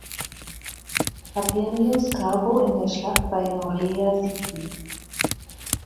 Papirius Carbo in der Schlacht „bei Noreia“ siegten.